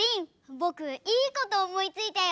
ぼくいいことおもいついたよ。